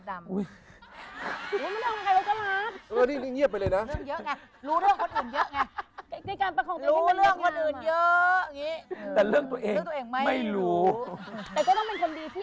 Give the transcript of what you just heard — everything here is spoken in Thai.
แต่ก็ต้องเป็นคนดีที่